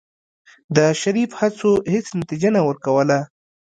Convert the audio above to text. د شريف هڅو هېڅ نتيجه نه ورکوله.